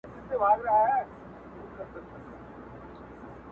یو مینهناک ننګرهاری انډیوال هم ورسره وو